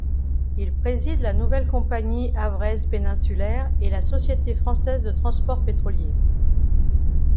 Il préside la Nouvelle compagnie havraise péninsulaire et la Société française de transports pétroliers.